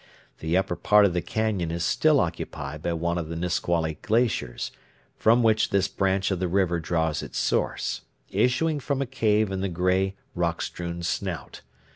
The upper part of the cañon is still occupied by one of the Nisqually glaciers, from which this branch of the river draws its source, issuing from a cave in the gray, rock strewn snout.